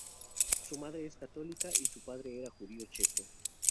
Su madre es católica, y su padre era judío checo.